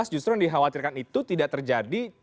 justru yang dikhawatirkan itu tidak terjadi